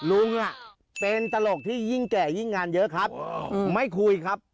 ลุงเป็นตลกที่ยิ่งแก่ยิ่งงานเยอะครับไม่คุยครับ